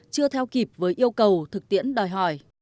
chưa theo kịp với yêu cầu thực tiễn đòi hỏi